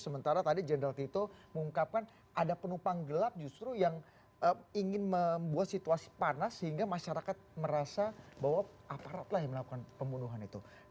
sementara tadi jenderal tito mengungkapkan ada penumpang gelap justru yang ingin membuat situasi panas sehingga masyarakat merasa bahwa aparat lah yang melakukan pembunuhan itu